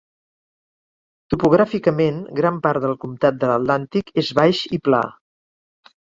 Topogràficament, gran part del comtat de l'Atlàntic és baix i pla.